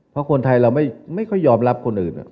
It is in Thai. เพราะคนไทยเราไม่ค่อยยอมรับคนอื่น